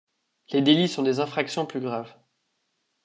Les délits sont des infractions plus graves.